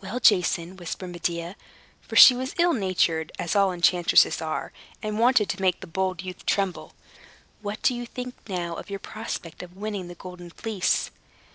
"Well, Jason," whispered Medea (for she was ill natured, as all enchantresses are, and wanted to make the bold youth tremble), "what do you think now of your prospect of winning the Golden Fleece?"